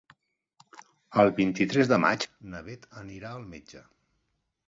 El vint-i-tres de maig na Bet anirà al metge.